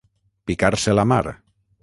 Picar-se la mar.